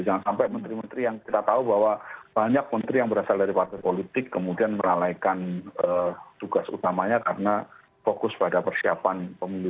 jangan sampai menteri menteri yang kita tahu bahwa banyak menteri yang berasal dari partai politik kemudian menalaikan tugas utamanya karena fokus pada persiapan pemilu dua ribu dua puluh empat